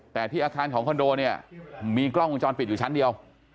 แต่ที่อาคารของคอนโดเนี่ยมีกล้องวงจรปิดอยู่ชั้นเดียว